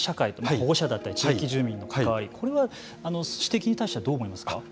保護者だったり地域住民の関わりこれは、指摘に対してはどう思いますか。